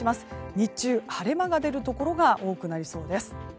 日中、晴れ間が出るところが多くなりそうです。